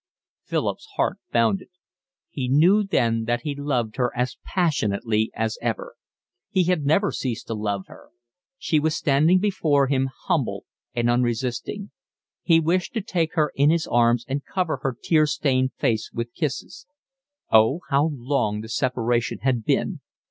Philip's heart bounded. He knew then that he loved her as passionately as ever. He had never ceased to love her. She was standing before him humble and unresisting. He wished to take her in his arms and cover her tear stained face with kisses. Oh, how long the separation had been!